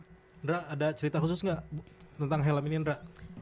indra ada cerita khusus gak tentang helm ini indra